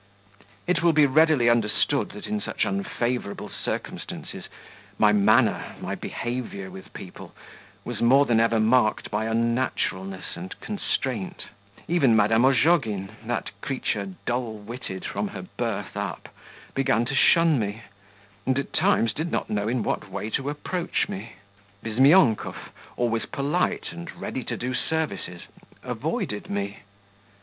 It will be readily understood that in such unfavourable circumstances my manner, my behaviour with people, was more than ever marked by unnaturalness and constraint. Even Madame Ozhogin that creature dull witted from her birth up began to shun me, and at times did not know in what way to approach me. Bizmyonkov, always polite and ready to do services, avoided me.